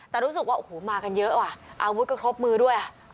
แต่รู้สึกว่าโอ้โหมากันเยอะว่ะอาวุธก็ครบมือด้วย